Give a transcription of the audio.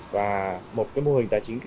và một cái mô hình tài chính defi